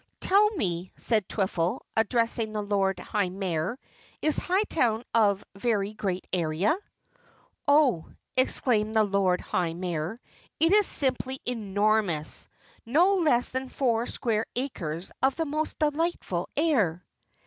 "Tell me," said Twiffle, addressing the Lord High Mayor, "is Hightown of very great area?" "Oh," exclaimed the Lord High Mayor, "it is simply enormous no less than four square acres of the most delightful air!"